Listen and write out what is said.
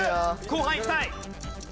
後半いきたい！